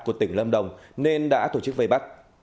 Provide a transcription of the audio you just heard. của tỉnh lâm đồng nên đã tổ chức vây bắt